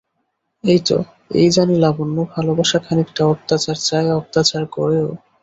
আমি তো এই জানি লাবণ্য, ভালোবাসা খানিকটা অত্যাচার চায়, অত্যাচার করেও।